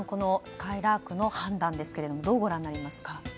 すかいらーくの判断ですけれどもどうご覧になりますか？